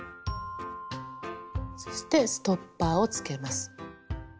そしてストッパーをつけます。